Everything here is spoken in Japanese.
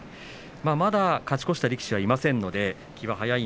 まだ勝ち越した力士はいません。